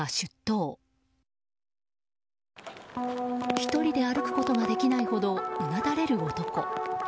１人で歩くことができないほどうなだれる男。